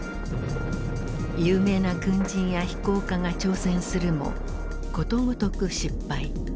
有名な軍人や飛行家が挑戦するもことごとく失敗。